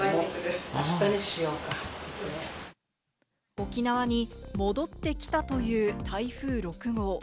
沖縄に戻ってきたという台風６号。